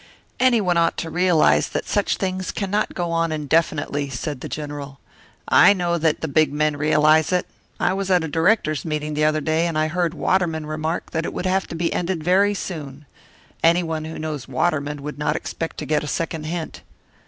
"Anyone ought to realise that such things cannot go on indefinitely," said the General. "I know that the big men realise it. I was at a directors' meeting the other day, and I heard Waterman remark that it would have to be ended very soon. Anyone who knows Waterman would not expect to get a second hint."